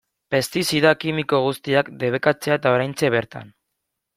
Pestizida kimiko guztiak debekatzea eta oraintxe bertan.